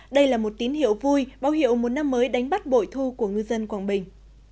đây là một tín hiệu vui báo hiệu một năm mới đánh bắt bội thu của ngư dân quảng bình